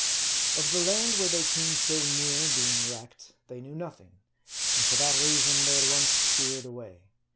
Of the land where they came so near being wrecked, they knew nothing ; and for that reason, they at once steered away.